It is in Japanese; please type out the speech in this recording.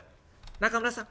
「中村さん